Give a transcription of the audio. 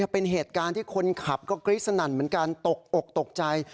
เป็นเหตุการณ์ที่คนขับก็กรี๊ดสนั่นเหมือนกันตกอกตกใจ